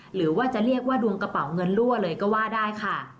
หรือว่าจะเรียกว่าดวงกระเป๋าเงินรั่วเลยก็ว่าได้ค่ะ